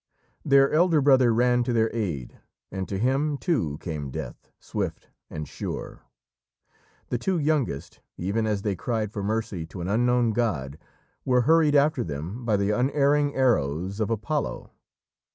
Their elder brother ran to their aid, and to him, too, came death, swift and sure. The two youngest, even as they cried for mercy to an unknown god, were hurried after them by the unerring arrows of Apollo.